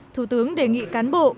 thủ tướng đề nghị cán bộ